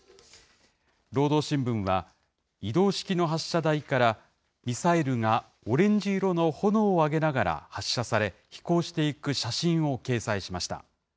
労働新聞は、移動式の発射台から、ミサイルがオレンジ色の炎を上げながら発射され飛行していく写真を掲載しました。